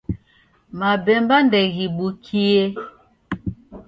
Mabemba ndeghibukie.